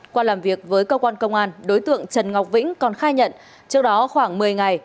qua làm việc với cơ quan công an đối tượng trần ngọc vĩnh còn khai nhận trước đó khoảng một mươi ngày